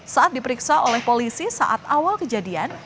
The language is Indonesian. saat diperiksa oleh polisi saat awal kejadian